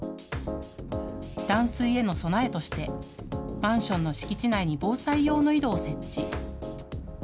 断水への備えとしてマンションの敷地内に防災用の井戸を設置。